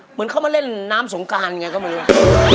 เหมือนเขามาเล่นน้ำสงการไงก็ไม่รู้